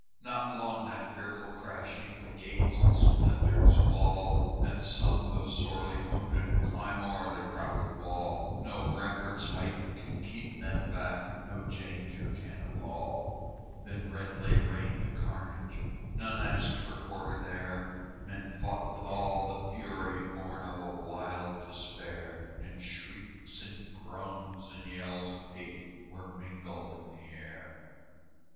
Not long that fearful crashing, The gates in splinters fall; And some, though sorely wounded, Climb o'er the crowded wall: No rampart's height can keep them back, No danger can appall. Then redly rained the carnage None asked for quarter there; Men fought with all the fury Born of a wild despair; And shrieks and groans and yells of hate Were mingled in the air.